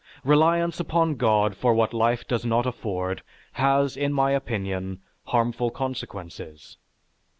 Reliance upon God for what life does not afford, has, in my opinion, harmful consequences.